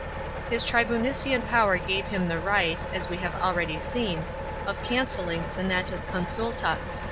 His tribunician power gave him the right, as we have already seen, of cancelling senatusconsulta.